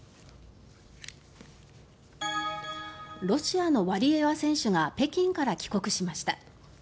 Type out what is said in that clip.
ロシアのワリエワ選手が北京から帰国しました。